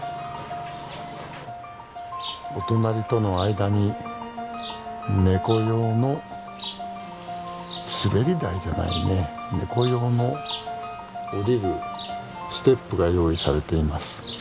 お隣との間にネコ用の滑り台じゃないねネコ用の降りるステップが用意されています。